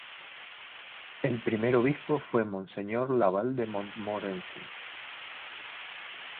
El primer obispo fue monseñor Laval de Montmorency.